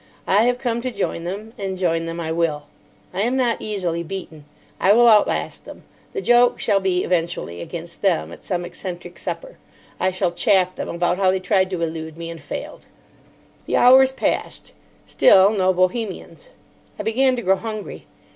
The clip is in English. I have come to join them, and join them I will. I am not easily beaten. I will outlast them. The joke shall be eventually against them, at some eccentric supper. I shall chaff them about how they tried to elude me, and failed. The hours passed. Still no Bohemians. I began to grow hungry.